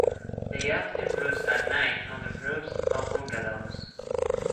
They often roost at night on the roofs of bungalows.